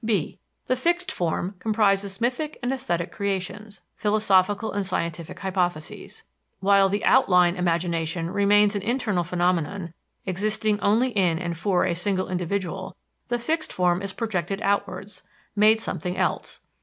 (b) The fixed form comprises mythic and esthetic creations, philosophical and scientific hypotheses. While the "outline" imagination remains an internal phenomenon, existing only in and for a single individual, the fixed form is projected outwards, made something else.